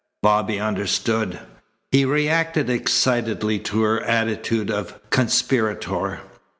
Bobby understood. He reacted excitedly to her attitude of conspirator.